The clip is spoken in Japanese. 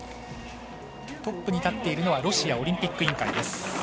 トップに立っているのはロシアオリンピック委員会です。